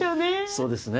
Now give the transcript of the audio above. そうですね。